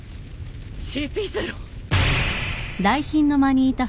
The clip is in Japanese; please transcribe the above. ＣＰ０！